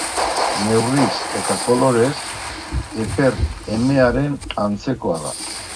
Neurriz eta kolorez eper emearen antzekoa da.